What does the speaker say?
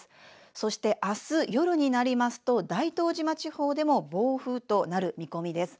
そして、あす夜になりますと大東島地方でも暴風となる見込みです。